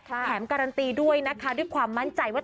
แถมการันตีด้วยนะคะด้วยความมั่นใจว่า